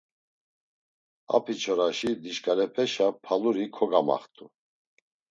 Apiçoraşi dişǩalepeşa paluri kogamaxt̆u.